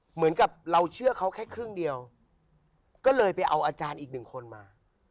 เหมือนกับเราเชื่อเขาแค่ครึ่งเดียวก็เลยไปเอาอาจารย์อีกหนึ่งคนมา